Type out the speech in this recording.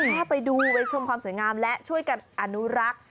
แค่ไปดูไปชมความสวยงามและช่วยกันอนุรักษ์